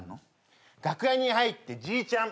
楽屋に入ってＧちゃん。